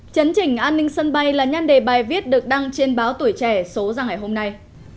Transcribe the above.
chấn trình an ninh sân bay là nhan đề bài viết được đăng trên báo tuổi trẻ số ra ngày hôm nay